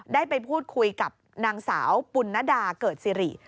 ได้ไปพูดคุยกับนางสาวปุณนดาเกิดสิริ